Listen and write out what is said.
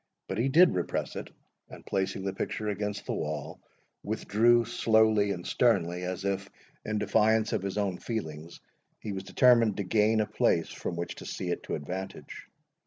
But he did repress it, and, placing the picture against the wall, withdrew slowly and sternly, as if, in defiance of his own feelings, he was determined to gain a place from which to see it to advantage.